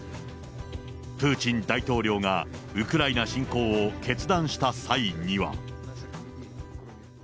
プーチン大統領がウクライナ侵攻を決断した際には。